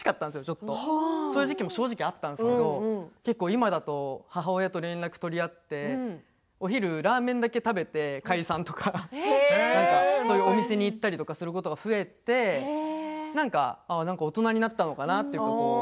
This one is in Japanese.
ちょっとそういう時期も正直あったんですけど今だと母親と連絡を取り合ってお昼ラーメンだけ食べて解散とかお店に行ったりすることが増えて大人になったのかなって。